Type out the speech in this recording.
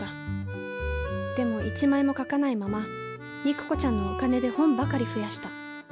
でも一枚も書かないまま肉子ちゃんのお金で本ばかり増やした。